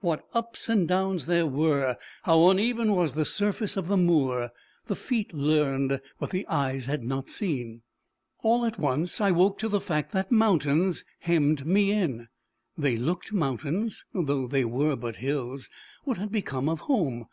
What ups and downs there were! how uneven was the surface of the moor! The feet learned what the eyes had not seen. All at once I woke to the fact that mountains hemmed me in. They looked mountains, though they were but hills. What had become of home?